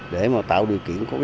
để tạo điều kiện khó khăn